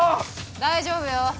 大丈夫よ。